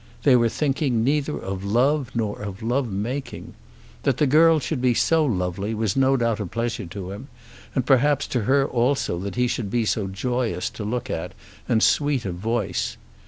They were thinking neither of love nor love making. That the girl should be so lovely was no doubt a pleasure to him; and perhaps to her also that he should be joyous to look at and sweet of voice.